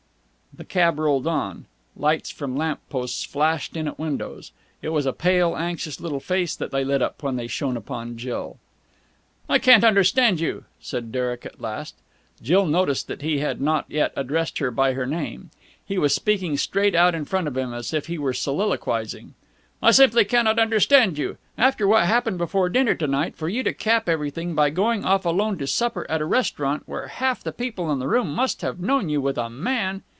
The cab rolled on. Lights from lamp posts flashed in at windows. It was a pale, anxious little face that they lit up when they shone upon Jill. "I can't understand you," said Derek at last. Jill noticed that he had not yet addressed her by her name. He was speaking straight out in front of him as if he were soliloquising. "I simply cannot understand you. After what happened before dinner to night, for you to cap everything by going off alone to supper at a restaurant, where half the people in the room must have known you, with a man...."